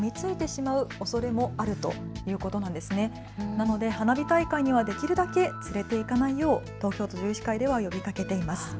なので花火大会にはできるだけ連れて行かないよう東京都獣医師会では呼びかけています。